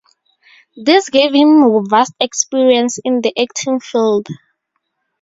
This gave him vast experience in the acting field.